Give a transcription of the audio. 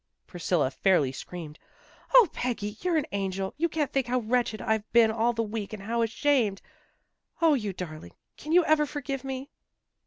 " Priscilla fairly screamed. " 0, Peggy! You're an angel. You can't think how wretched I've been all the week, and how ashamed. 0, you darling! Can you ever forgive me?